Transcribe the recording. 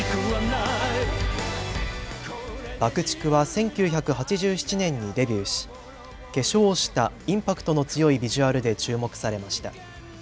ＢＵＣＫ−ＴＩＣＫは１９８７年にデビューし化粧をしたインパクトの強いビジュアルで注目されました。